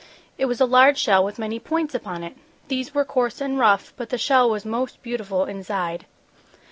It was a large shell with many points upon it. These were coarse and rough, but the shell was most beautiful inside.